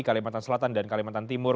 kalimantan selatan dan kalimantan timur